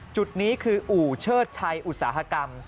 จุดนี้คืออู่เชิดชัยอุตสาหกรรม